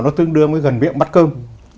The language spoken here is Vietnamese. nó tương đương với gần viện bắt cơm